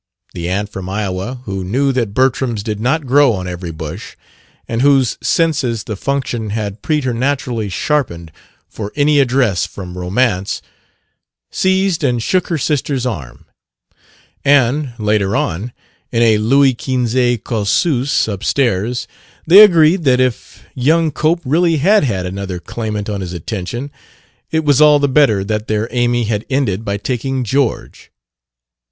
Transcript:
The aunt from Iowa, who knew that Bertrams did not grow on every bush, and whose senses the function had preternaturally sharpened for any address from Romance, seized and shook her sister's arm; and, later on, in a Louis Quinze causeuse, up stairs, they agreed that if young Cope really had had another claimant on his attention, it was all the better that their Amy had ended by taking George.